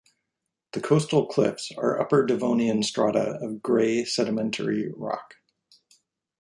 The coastal cliffs are Upper Devonian strata of grey sedimentary rock.